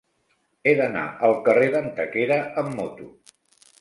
He d'anar al carrer d'Antequera amb moto.